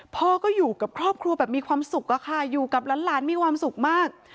พ่อก็อยู่กับครอบครัวแบบมีความสุขอะค่ะอยู่กับหลานมีความสุขมาก